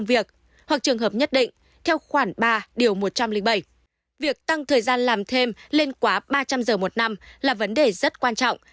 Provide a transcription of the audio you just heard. việc tăng thời gian làm thêm lên quá ba trăm linh giờ một năm là vấn đề rất quan trọng